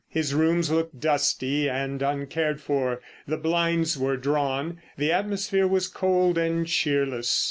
His rooms looked dusty and uncared for, the blinds were drawn, the atmosphere was cold and cheerless.